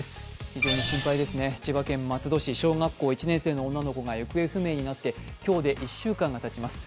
非常に心配ですね、千葉県松戸市、小学校１年生の女の子が行方不明になって今日で１週間がたちます。